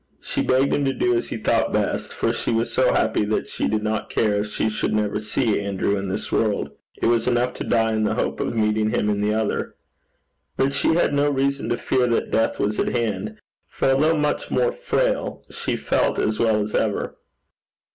She begged him to do as he thought best, for she was so happy that she did not care if she should never see Andrew in this world: it was enough to die in the hope of meeting him in the other. But she had no reason to fear that death was at hand; for, although much more frail, she felt as well as ever.